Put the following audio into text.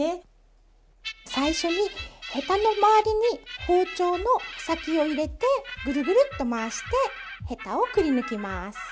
最初にヘタの周りに包丁の先を入れてぐるぐるっと回してヘタをくりぬきます。